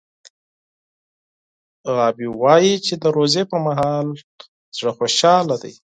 غابي وايي چې د روژې پر مهال زړه خوشحاله دی.